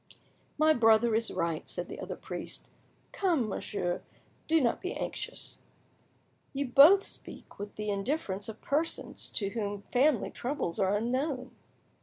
"My brother is right," said the other priest. "Come, monsieur; do not be anxious." "You both speak with the indifference of persons to whom family troubles are unknown."